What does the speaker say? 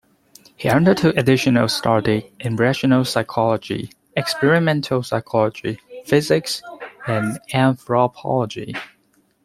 He undertook additional study in rational psychology, experimental psychology, physics and anthropology.